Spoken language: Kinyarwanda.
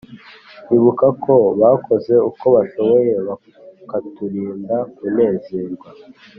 Ibuka ko bakoze uko bashoboye Bakaturinda kunezerwa